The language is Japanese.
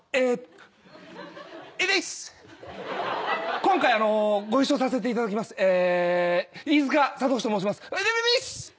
今回あのうご一緒させていただきますえー飯塚悟志と申します。